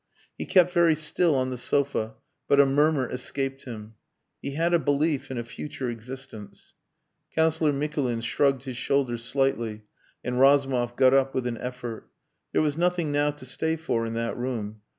He kept very still on the sofa, but a murmur escaped him "He had a belief in a future existence." Councillor Mikulin shrugged his shoulders slightly, and Razumov got up with an effort. There was nothing now to stay for in that room.